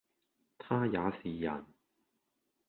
他也是人，